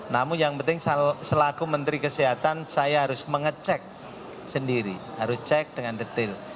namun yang penting selaku menteri kesehatan saya harus mengecek sendiri harus cek dengan detail